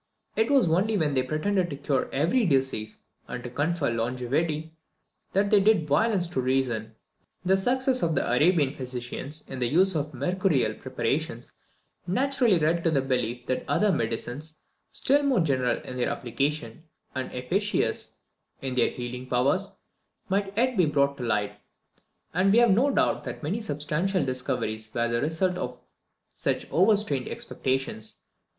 It was only when they pretended to cure every disease, and to confer longevity, that they did violence to reason. The success of the Arabian physicians in the use of mercurial preparations naturally led to the belief that other medicines, still more general in their application, and efficacious in their healing powers, might yet be brought to light; and we have no doubt that many substantial discoveries were the result of such overstrained expectations.